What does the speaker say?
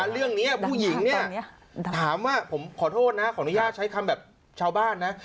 เรื่องนี้ผู้หญิงเนี่ยถามว่าผมขอโทษนะขออนุญาตใช้คำแบบชาวบ้านนะ